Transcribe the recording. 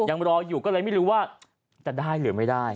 ยังรออยู่ก็เลยไม่รู้ว่าจะได้หรือไม่ได้